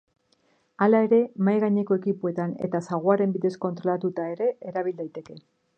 Hala ere, mahai gaineko ekipoetarako eta saguaren bidez kontrolatuta ere erabil daiteke.